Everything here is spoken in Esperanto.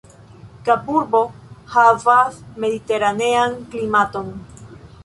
Kaburbo havas mediteranean klimaton.